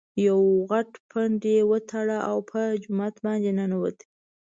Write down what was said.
یو غټ پنډ یې وتاړه او په جومات باندې ننوت.